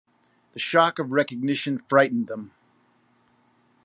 The shock of recognition frightened them.